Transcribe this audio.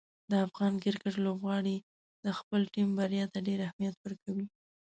د افغان کرکټ لوبغاړي د خپلې ټیم بریا ته ډېر اهمیت ورکوي.